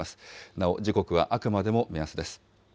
なお時刻はあくまでも目安です。